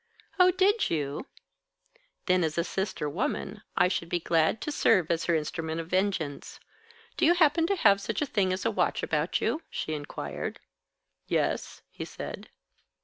"Oh, did you? Then, as a sister woman, I should be glad to serve as her instrument of vengeance. Do you happen to have such a thing as a watch about you?" she inquired. "Yes," he said.